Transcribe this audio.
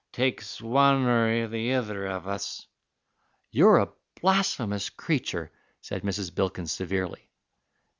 takes one or the ither of us." "You're a blasphemous creature," said Mrs. Bilkins severely.